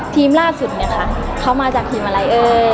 ทีมล่าสุดเลยไงคะเค้ามาจากทีมอะไร